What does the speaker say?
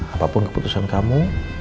apapun keputusan kamu